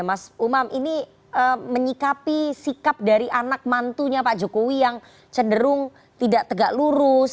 mas umam ini menyikapi sikap dari anak mantunya pak jokowi yang cenderung tidak tegak lurus